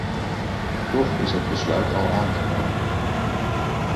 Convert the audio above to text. Toch is het besluit al aangenomen.